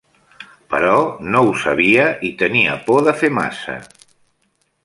Però no ho sabia i tenia por de fer massa.